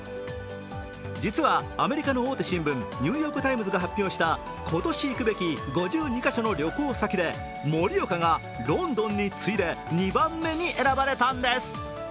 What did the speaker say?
実は、アメリカの大手新聞「ニューヨーク・タイムズ」が発表した今年行くべき５２か所の旅行先で盛岡がロンドンに次いで２番目に選ばれたんです。